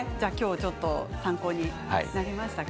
ちょっと参考になりましたか？